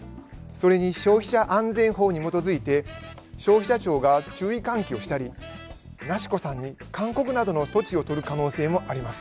それに消費者安全法に基づいて消費者庁が注意喚起をしたりなしこさんに勧告などの措置を取る可能性もあります。